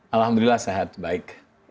alhamdulillah sehat baik